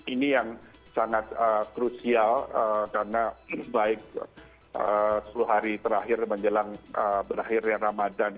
ini yang sangat krusial karena baik sepuluh hari terakhir menjelang berakhirnya ramadan